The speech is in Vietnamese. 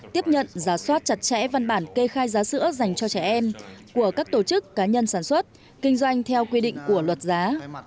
tiếp nhận giả soát chặt chẽ văn bản kê khai giá sữa dành cho trẻ em của các tổ chức cá nhân sản xuất kinh doanh theo quy định của luật giá